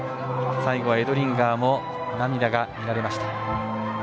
最後はエドリンガーも涙が見られました。